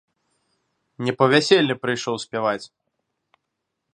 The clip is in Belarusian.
Не па вяселле прыйшоў спяваць!